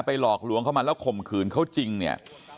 หลอกลวงเข้ามาแล้วข่มขืนเขาจริงเนี่ย